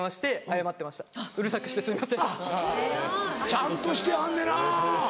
ちゃんとしてはんねな。